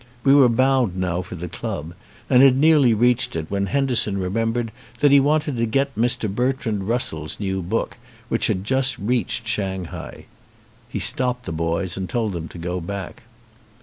We were bound now for the club and had nearly reached it when Henderson remem bered that he wanted to get Mr. Bertrand Rus sell's new book, which had just reached Shanghai. He stopped the boys and told them to go back.